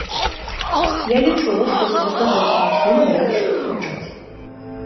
Я лічу, што тут за гэтым усім лепш сочаць.